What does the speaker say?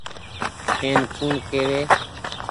اين ڪوڻ ڪيوي۔